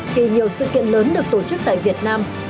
khi nhiều sự kiện lớn được tổ chức tại việt nam